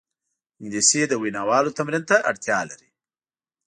انګلیسي د ویناوالو تمرین ته اړتیا لري